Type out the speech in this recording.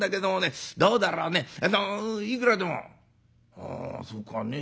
「あそうかね。